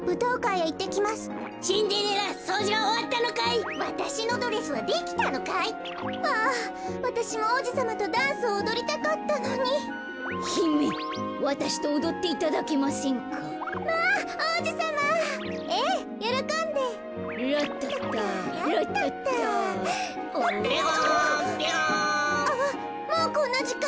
あっもうこんなじかん！